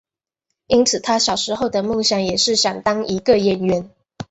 因此他小时候的梦想也是想当一个演员。